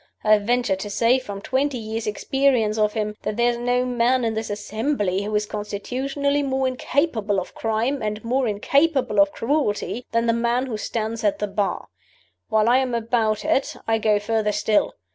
I venture to say, from twenty years' experience of him, that there is no man in this assembly who is constitutionally more incapable of crime and more incapable of cruelty than the man who stands at the Bar. While I am about it, I go further still.